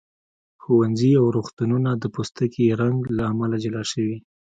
ښوونځي او روغتونونه د پوستکي رنګ له امله جلا شوي.